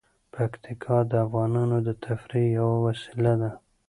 پکتیکا د افغانانو د تفریح یوه وسیله ده.